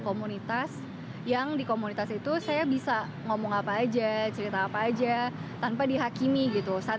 komunitas yang di komunitas itu saya bisa ngomong apa aja cerita apa aja tanpa dihakimi gitu saat